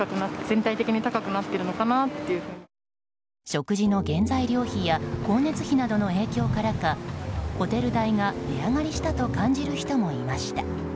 食事の原材料費や光熱費などの影響からかホテル代が値上がりしたと感じる人もいました。